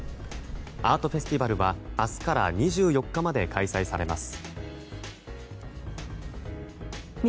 アートフェスティバルは明日から２４日まで開催されます。